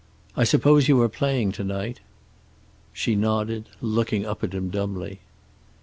"I suppose you are playing to night?" She nodded, looking up at him dumbly.